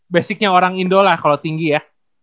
basicnya orang indo lah kalau tinggi ya